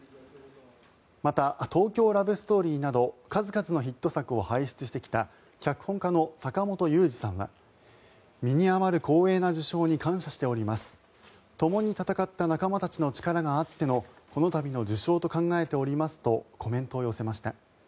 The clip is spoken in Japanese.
また「東京ラブストーリー」など数々のヒット作を輩出してきた脚本家の坂元裕二さんは身に余る光栄な受章に感謝しておりますともに戦った仲間たちの力があってのこの度の受章と考えておりますとコメントを寄せました。